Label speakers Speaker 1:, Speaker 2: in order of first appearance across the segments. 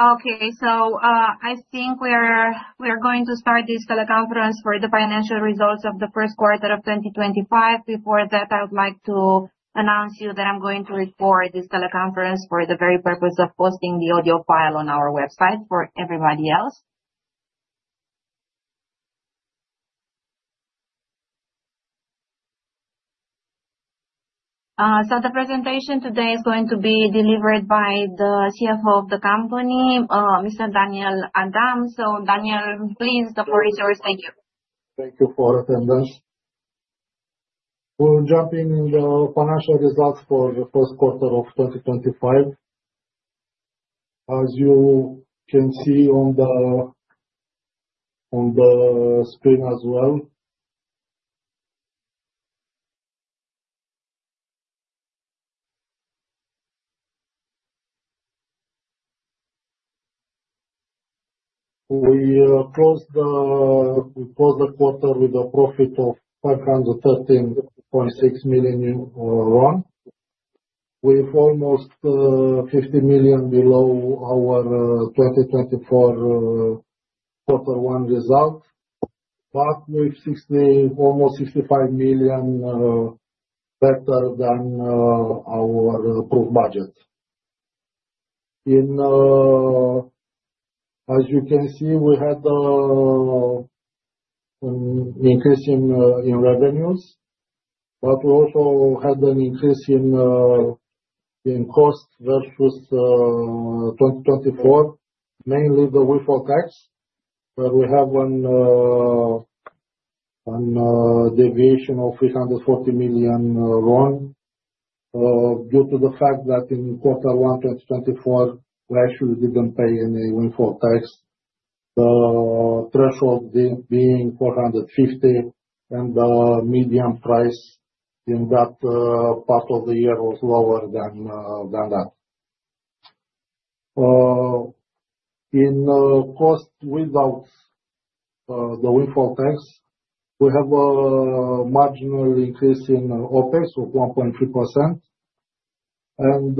Speaker 1: Okay, I think we are going to start this teleconference for the financial results of the first quarter of 2025. Before that, I would like to announce to you that I'm going to record this teleconference for the very purpose of posting the audio file on our website for everybody else. The presentation today is going to be delivered by the CFO of the company, Mr. Daniel Adam. Daniel, please go for resource. Thank you.
Speaker 2: Thank you for attendance. We're jumping the financial results for the first quarter of 2025. As you can see on the screen as well, we closed the quarter with a profit of RON 513.6 million, with almost RON 50 million below our 2024 quarter one result, but with almost RON 65 million better than our approved budget. As you can see, we had an increase in revenues, but we also had an increase in cost versus 2024, mainly the windfall tax, where we have a deviation of RON 340 million due to the fact that in quarter one 2024, we actually didn't pay any windfall tax, the threshold being RON 450, and the median price in that part of the year was lower than that. In cost without the windfall tax, we have a marginal increase in OpEx of 1.3%, and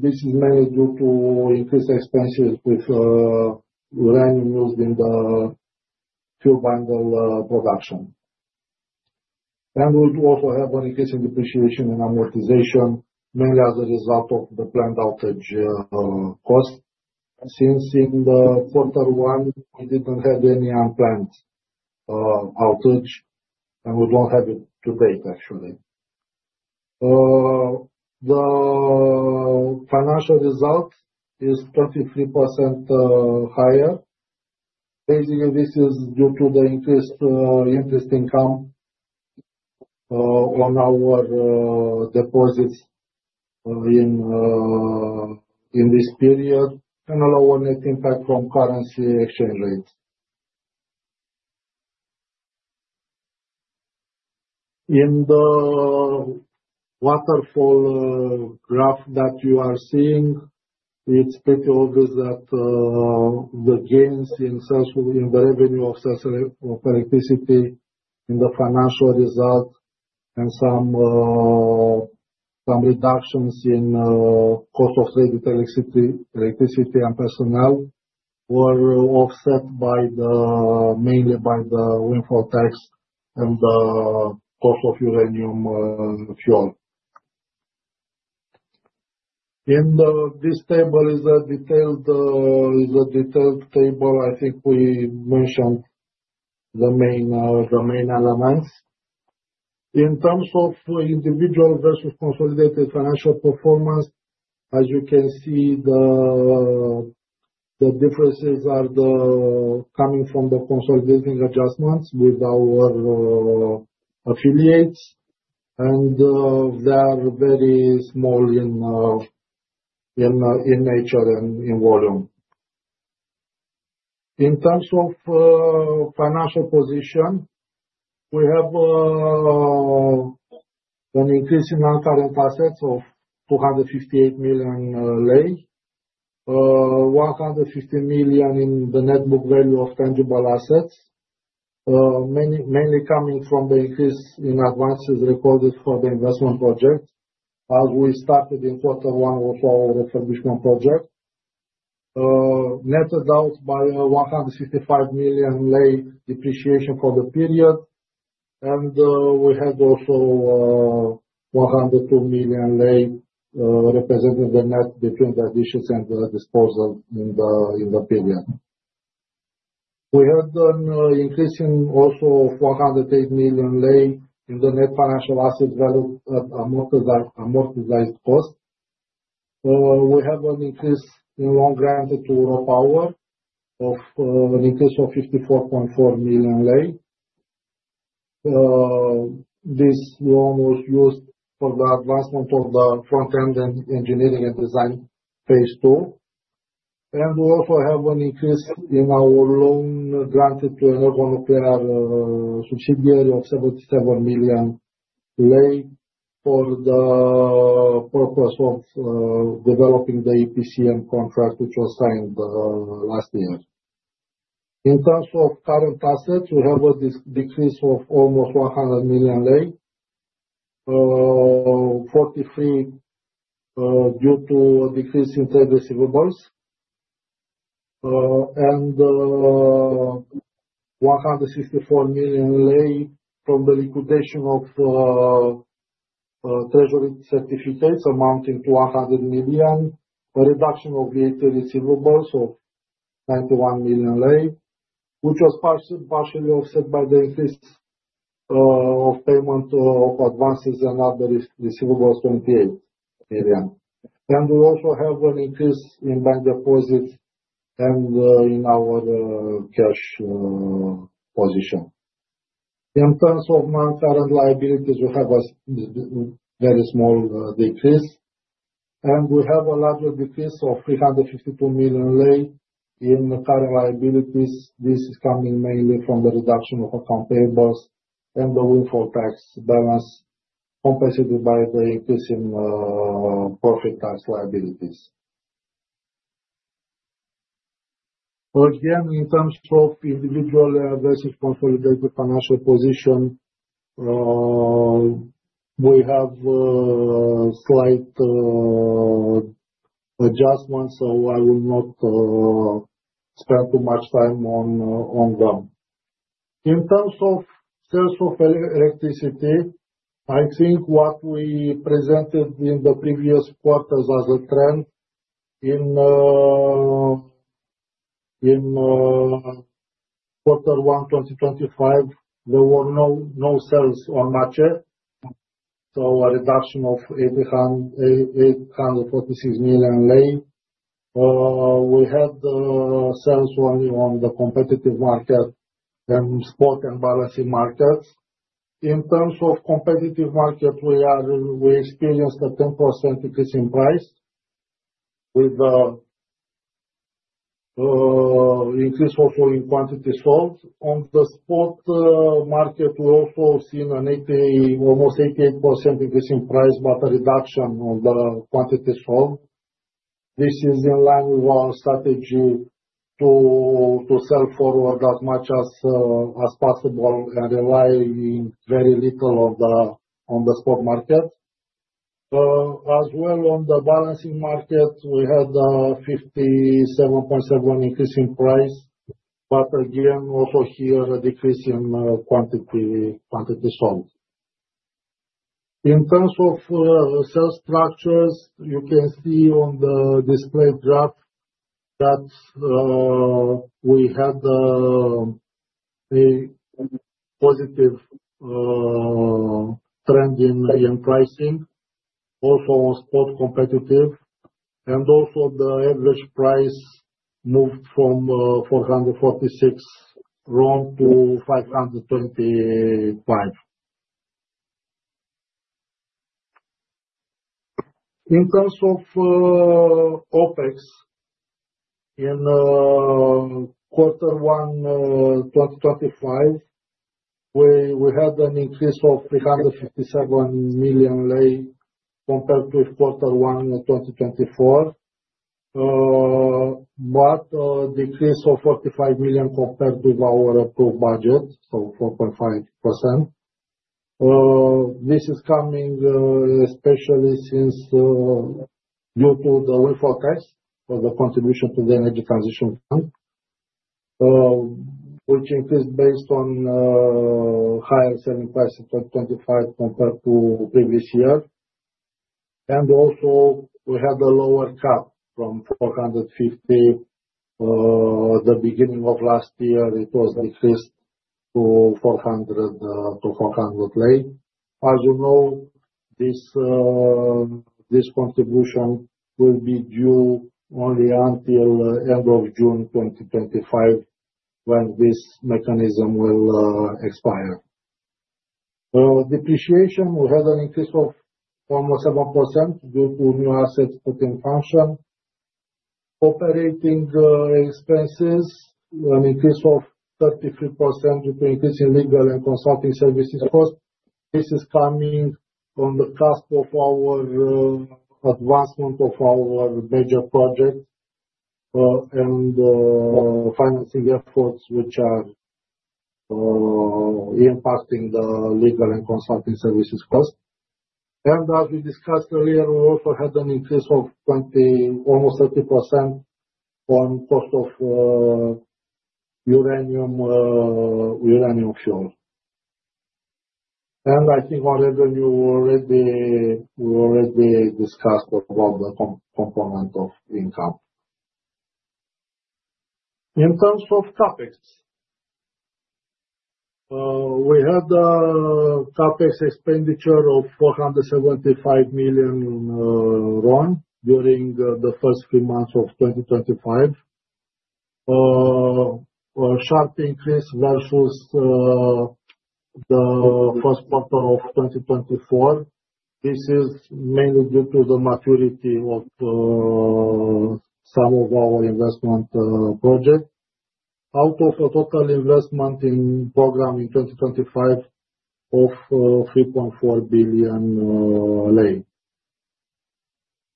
Speaker 2: this is mainly due to increased expenses with random use in the fuel bundle production. We also have an increase in depreciation and amortization, mainly as a result of the planned outage cost. Since in quarter one, we did not have any unplanned outage, and we do not have it to date, actually. The financial result is 33% higher. Basically, this is due to the increased interest income on our deposits in this period and a lower net impact from currency exchange rates. In the waterfall graph that you are seeing, it is pretty obvious that the gains in the revenue of electricity in the financial result and some reductions in cost of trade, electricity, and personnel were offset mainly by the windfall tax and the cost of uranium fuel. In this table is a detailed table. I think we mentioned the main elements. In terms of individual versus consolidated financial performance, as you can see, the differences are coming from the consolidating adjustments with our affiliates, and they are very small in nature and in volume. In terms of financial position, we have an increase in non-current assets of RON 258 million, RON 150 million in the net book value of tangible assets, mainly coming from the increase in advances recorded for the investment project as we started in quarter one of our refurbishment project, netted out by RON 165 million depreciation for the period, and we had also RON 102 million representing the net between the additions and the disposal in the period. We had an increase in also RON 108 million in the net financial asset value amortized cost. We have an increase in loan granted to RoPower of an increase of RON 54.4 million. This loan was used for the advancement of the front-end engineering and design phase II. We also have an increase in our loan granted to Energonuclear subsidiary of RON 77 million for the purpose of developing the EPCM contract, which was signed last year. In terms of current assets, we have a decrease of almost RON 100 million, RON 43 million due to a decrease in trade receivables, and RON 164 million from the liquidation of treasury certificates amounting to RON 100 million, a reduction of VAT receivables of RON 91 million, which was partially offset by the increase of payment of advances and other receivables RON 28 million. We also have an increase in bank deposits and in our cash position. In terms of non-current liabilities, we have a very small decrease, and we have a larger decrease of RON 352 million in current liabilities. This is coming mainly from the reduction of accountabilities and the windfall tax balance compensated by the increase in profit tax liabilities. Again, in terms of individual versus consolidated financial position, we have slight adjustments, so I will not spend too much time on them. In terms of sales of electricity, I think what we presented in the previous quarters as a trend in quarter one 2025, there were no sales on MAT. So a reduction of RON 846 million. We had sales only on the competitive market and spot and balancing markets. In terms of competitive market, we experienced a 10% decrease in price with the increase also in quantity sold. On the spot market, we also seen an almost 88% increase in price, but a reduction on the quantity sold. This is in line with our strategy to sell forward as much as possible and rely very little on the spot market. As well, on the balancing market, we had a 57.7% increase in price, but again, also here a decrease in quantity sold. In terms of sales structures, you can see on the display graph that we had a positive trend in pricing, also on spot, competitive, and also the average price moved from RON 446 to RON 525. In terms of OpEx, in quarter one 2025, we had an increase of RON 357 million compared with quarter one 2024, but a decrease of RON 45 million compared with our approved budget, so 4.5%. This is coming especially due to the windfall tax for the contribution to the energy transition fund, which increased based on higher selling price in 2025 compared to previous year. We also had a lower cap from RON 450. At the beginning of last year, it was decreased to RON 400. As you know, this contribution will be due only until the end of June 2025 when this mechanism will expire. Depreciation, we had an increase of almost 7% due to new asset putting function. Operating expenses, an increase of 33% due to increasing legal and consulting services cost. This is coming from the cost of our advancement of our major project and financing efforts, which are impacting the legal and consulting services cost. As we discussed earlier, we also had an increase of almost 30% on cost of uranium fuel. I think our revenue, we already discussed about the component of income. In terms of CapEx, we had a CapEx expenditure of RON 475 million during the first few months of 2025, a sharp increase versus the first quarter of 2024. This is mainly due to the maturity of some of our investment projects, out of a total investment program in 2025 of RON 3.4 billion.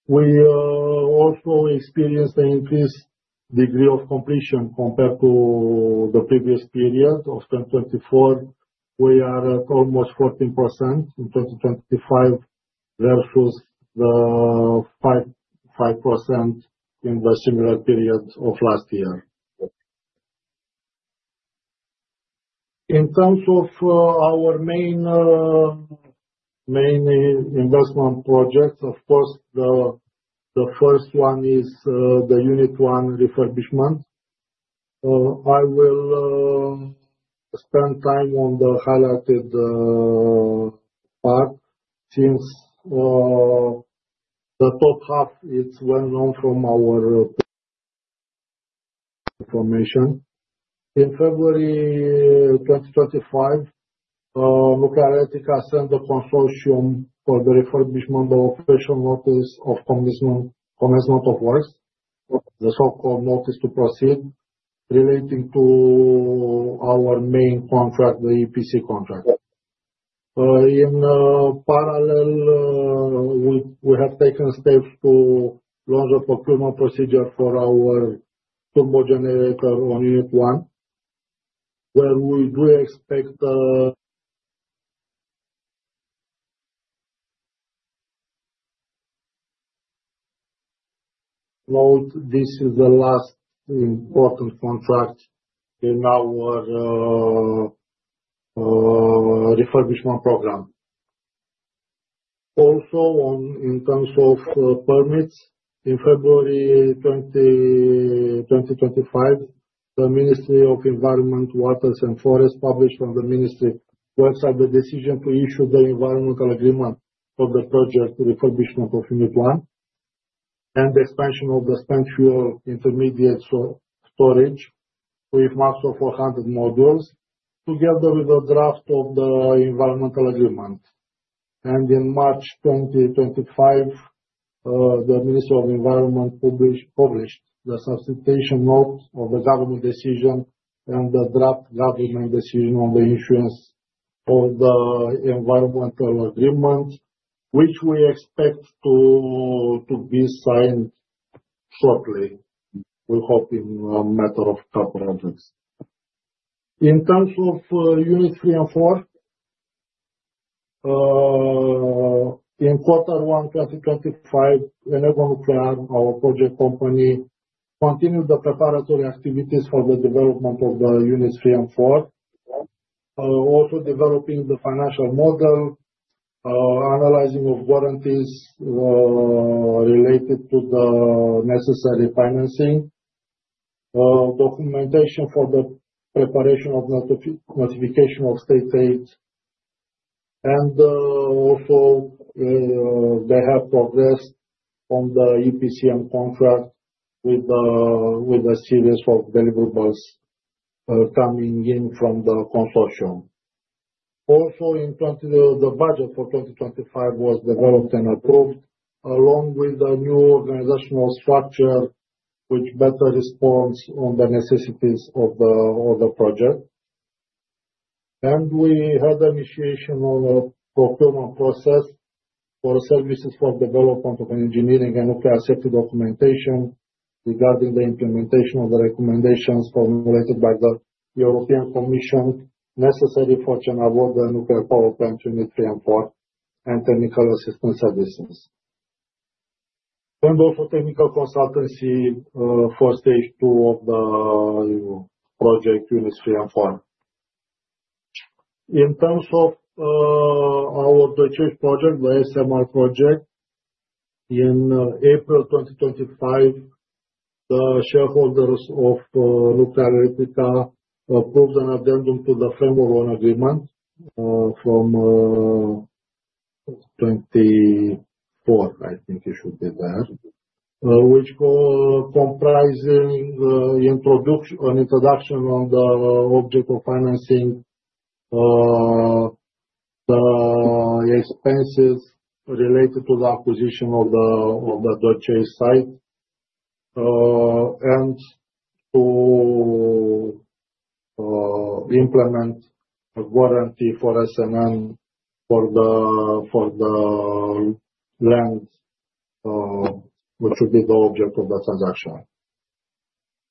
Speaker 2: We also experienced an increased degree of completion compared to the previous period of 2024. We are at almost 14% in 2025 versus the 5% in the similar period of last year. In terms of our main investment projects, of course, the first one is the Unit 1 refurbishment. I will spend time on the highlighted part since the top half is well known from our information. In February 2025, Nuclearelectrica sent a consortium for the refurbishment of official notice of commencement of works, the so-called notice to proceed relating to our main contract, the EPC contract. In parallel, we have taken steps to launch a procurement procedure for our turbo generator on Unit 1, where we do expect note this is the last important contract in our refurbishment program. Also, in terms of permits, in February 2025, the Ministry of Environment, Waters, and Forests published on the Ministry website the decision to issue the environmental agreement for the project refurbishment of Unit 1 and the expansion of the spent fuel intermediate storage with max of 400 modules together with a draft of the environmental agreement. In March 2025, the Ministry of Environment published the substitution note of the government decision and the draft government decision on the issuance of the environmental agreement, which we expect to be signed shortly, we hope in a matter of a couple of weeks. In terms of Units 3 and 4, in quarter one 2025, EnergoNuclear, our project company, continued the preparatory activities for the development of the Units 3 and 4, also developing the financial model, analyzing warranties related to the necessary financing, documentation for the preparation of notification of state aid, and also they have progressed on the EPCM contract with a series of deliverables coming in from the consortium. Also, the budget for 2025 was developed and approved along with a new organizational structure which better responds to the necessities of the project. We had initiation of a procurement process for services for development of engineering and nuclear safety documentation regarding the implementation of the recommendations formulated by the European Commission necessary to avoid the nuclear power plant Unit 3 and 4 and technical assistance services, and also technical consultancy for stage two of the project Units 3 and 4. In terms of our joint project, the SMR project, in April 2025, the shareholders of Nuclearelectrica approved an addendum to the framework agreement from 2024, I think it should be there, which comprised an introduction on the object of financing, the expenses related to the acquisition of the Doicești site, and to implement a warranty for SNN for the land, which would be the object of the transaction.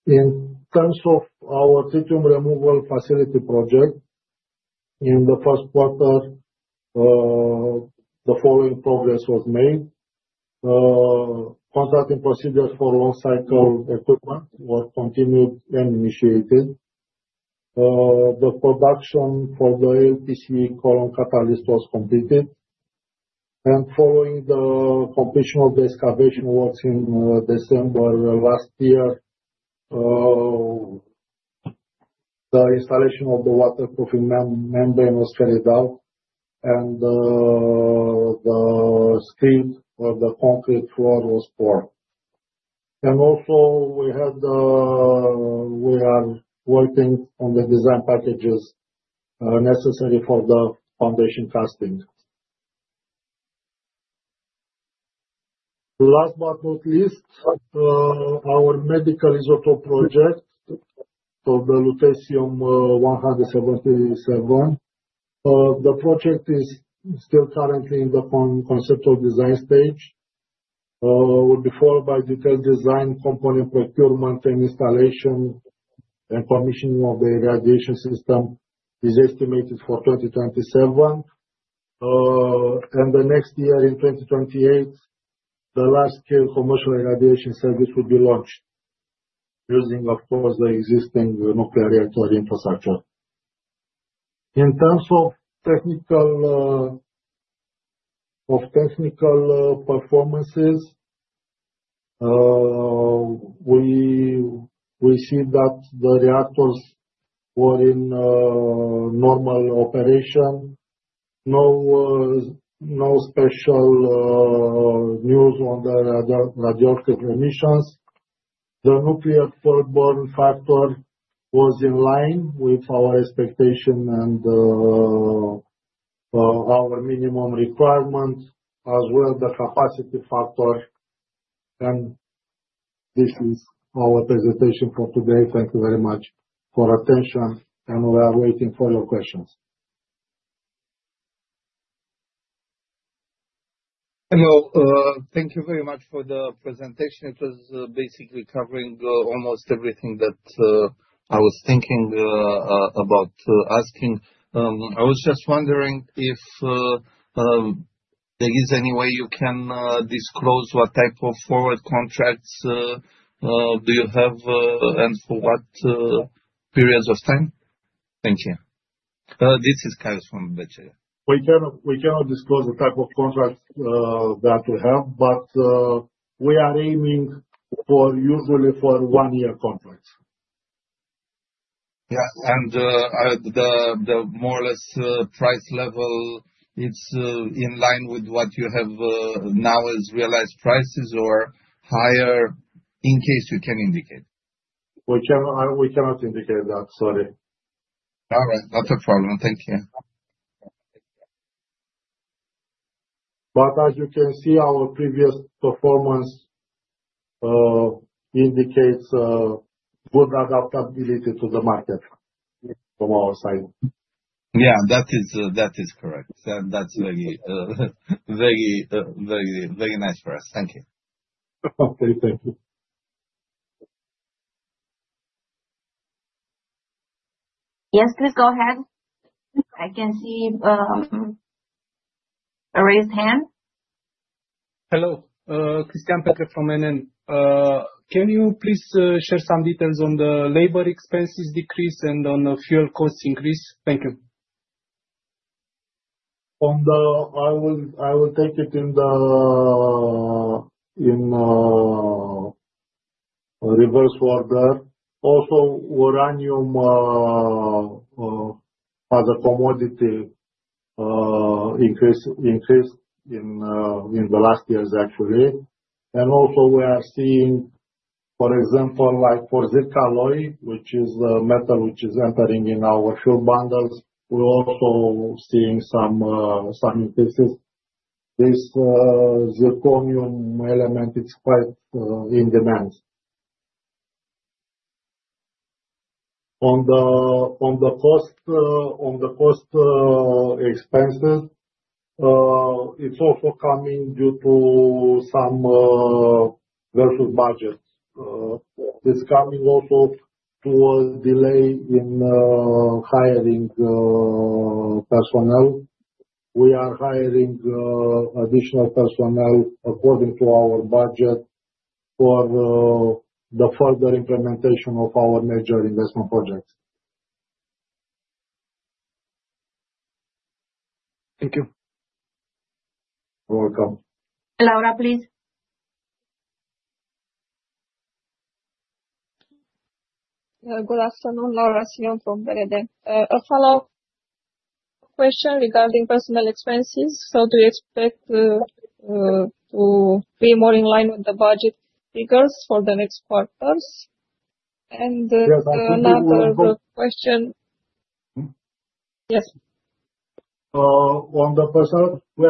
Speaker 2: In terms of our tritium removal facility project, in the first quarter, the following progress was made. Consulting procedures for long cycle equipment were continued and initiated. The production for the LPC column catalyst was completed. Following the completion of the excavation works in December last year, the installation of the waterproofing membrane was carried out, and the screed for the concrete floor was poured. We are working on the design packages necessary for the foundation casting. Last but not least, our medical isotope project for the Lutetium-177. The project is still currently in the conceptual design stage. It will be followed by detailed design, component procurement, and installation, and commissioning of the irradiation system is estimated for 2027. The next year, in 2028, the large-scale commercial irradiation service will be launched using, of course, the existing nuclear reactor infrastructure. In terms of technical performances, we see that the reactors were in normal operation. No special news on the radioactive emissions. The nuclear fuel burn factor was in line with our expectation and our minimum requirement, as well as the capacity factor. This is our presentation for today. Thank you very much for attention, and we are waiting for your questions.
Speaker 3: Hello. Thank you very much for the presentation. It was basically covering almost everything that I was thinking about asking. I was just wondering if there is any way you can disclose what type of forward contracts you have and for what periods of time. Thank you. This is Cauis from BCR.
Speaker 2: We cannot disclose the type of contract that we have, but we are aiming usually for one-year contracts.
Speaker 3: Yeah. And the more or less price level, it is in line with what you have now as realized prices or higher in case you can indicate.
Speaker 2: We cannot indicate that. Sorry.
Speaker 3: All right. Not a problem. Thank you.
Speaker 2: But as you can see, our previous performance indicates good adaptability to the market from our side.
Speaker 3: Yeah, that is correct. That's very, very, very nice for us. Thank you.
Speaker 2: Okay. Thank you.
Speaker 1: Yes, please go ahead. I can see a raised hand.
Speaker 4: Hello. Cristian Petre from NN. Can you please share some details on the labor expenses decrease and on the fuel cost increase? Thank you.
Speaker 2: I will take it in reverse order. Also, Uranium as a commodity increased in the last years, actually. And also, we are seeing, for example, for Zircaloy, which is a metal which is entering in our fuel bundles, we're also seeing some increases. This Zirconium element, it's quite in demand. On the cost expenses, it's also coming due to some virtual budgets. It's coming also to a delay in hiring personnel. We are hiring additional personnel according to our budget for the further implementation of our major investment projects. Thank you.
Speaker 4: You're welcome.
Speaker 1: Laura, please.
Speaker 5: Good afternoon. Laura Simion from BRD. A follow-up question regarding personnel expenses. Do you expect to be more in line with the budget figures for the next quarters? Another question. Yes.
Speaker 2: On the personnel, we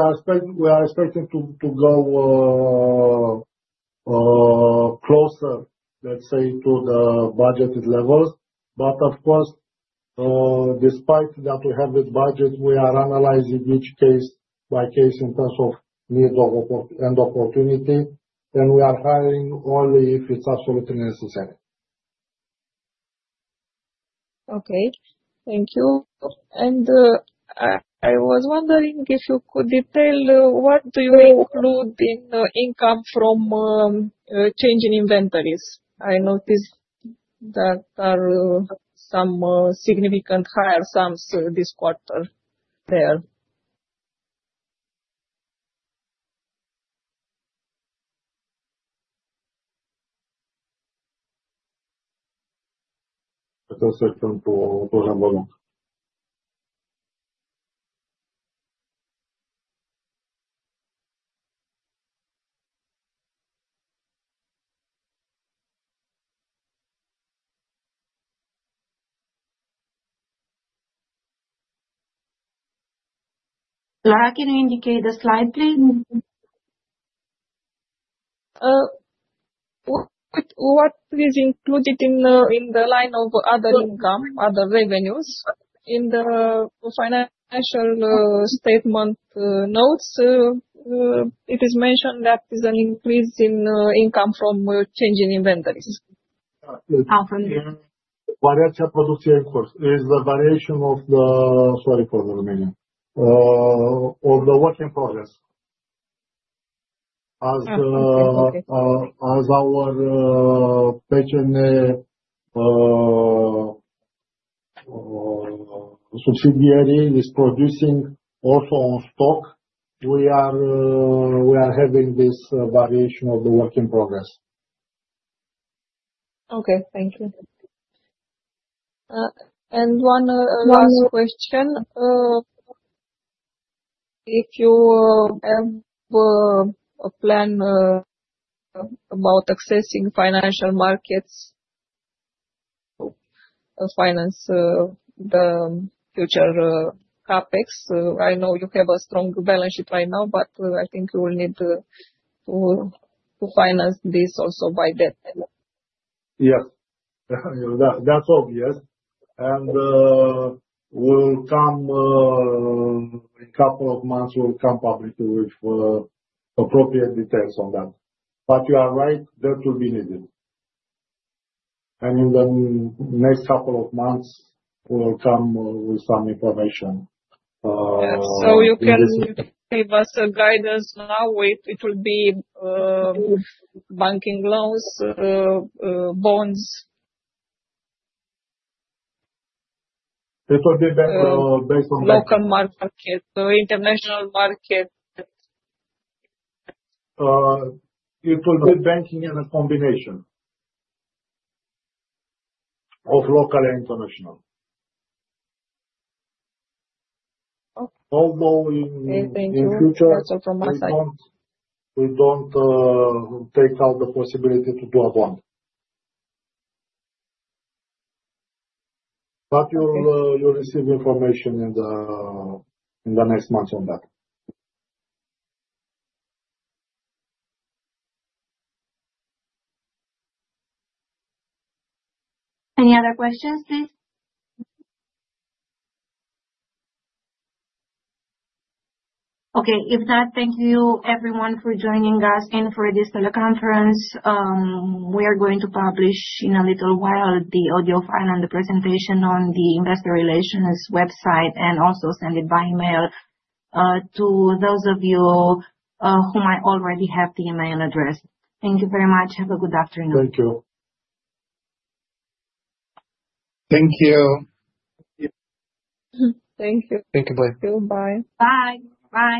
Speaker 2: are expecting to go closer, let's say, to the budgeted levels. Of course, despite that we have this budget, we are analyzing each case by case in terms of need and opportunity, and we are hiring only if it's absolutely necessary.
Speaker 5: Okay. Thank you. I was wondering if you could detail what you include in income from changing inventories. I noticed that there are some significantly higher sums this quarter there.
Speaker 2: It also came to a low level.
Speaker 1: Laura, can you indicate the slide, please?
Speaker 5: What is included in the line of other income, other revenues? In the financial statement notes, it is mentioned that there's an increase in income from changing inventories. How from?
Speaker 2: Variation of product inquiry. It's the variation of the—sorry for the Romanian—of the work in progress. As our HNA subsidiary is producing also on stock, we are having this variation of the work in progress.
Speaker 5: Okay. Thank you. One last question. If you have a plan about accessing financial markets to finance the future CapEx, I know you have a strong balance sheet right now, but I think you will need to finance this also by that time.
Speaker 2: Yes. That's obvious. In a couple of months, we'll come probably with appropriate details on that. You are right. That will be needed. In the next couple of months, we'll come with some information.
Speaker 5: You can give us a guidance now. It will be banking loans, bonds. It will be based on the local market, international market.
Speaker 2: It will be banking as a combination of local and international. Although in future, we do not take out the possibility to do a bond. You will receive information in the next months on that.
Speaker 1: Any other questions, please? Okay. If not, thank you, everyone, for joining us and for this teleconference. We are going to publish in a little while the audio file and the presentation on the Investor Relations website and also send it by email to those of you who might already have the email address. Thank you very much. Have a good afternoon.
Speaker 2: Thank you.
Speaker 4: Thank you.
Speaker 5: Thank you.
Speaker 2: Thank you.
Speaker 4: Thank you. Bye.
Speaker 1: Bye. Bye.